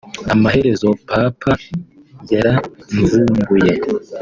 Amaherezo papa yaramvumbuye